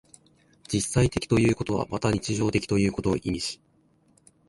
実際的ということはまた日常的ということを意味し、